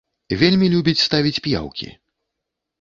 Вельмі любіць ставіць п'яўкі.